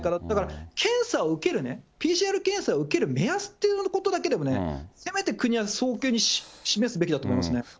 だから、検査を受ける、ＰＣＲ検査を受ける目安っていうことだけでも、せめて国は早急に示すべきだと思いますね。